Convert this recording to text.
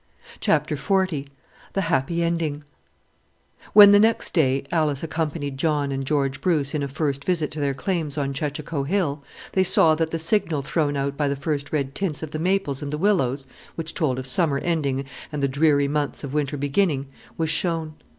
CHAPTER XL THE HAPPY ENDING When, the next day, Alice accompanied John and George Bruce in a first visit to their claims on Chechacho Hill, they saw that the signal thrown out by the first red tints of the maples and the willows which told of summer ending and the dreary months of winter beginning was shown.